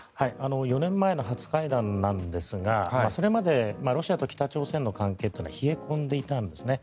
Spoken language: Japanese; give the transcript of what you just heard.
４年前の初会談なんですがそれまでロシアと北朝鮮の関係というのは冷え込んでいたんですね。